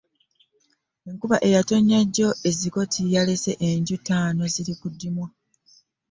Enkuba eyatonnye jjo e Zigoti yalese enju ttaano ziri ku ddimwa.